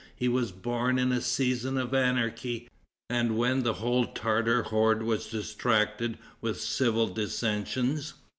He was born in a season of anarchy, and when the whole Tartar horde was distracted with civil dissensions.